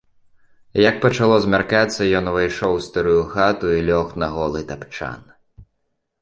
Як пачало змяркацца, ён увайшоў у старую хату і лёг на голы тапчан.